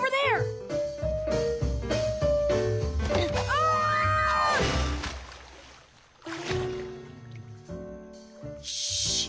よし。